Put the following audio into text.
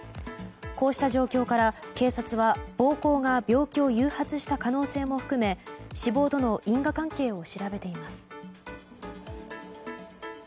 こうした状況から警察は暴行が病気を誘発した可能性も含め死亡との因果関係を調べています。